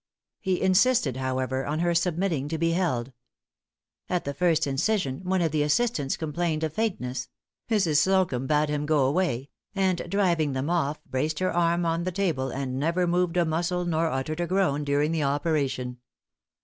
He insisted, however, on her submitting to be held. At the first incision, one of the assistants complained of faintness; Mrs. Slocumb bade him go away; and driving them off, braced her arm on the table, and never moved a muscle nor uttered a groan during the operation.